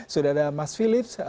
sudah ada mas philips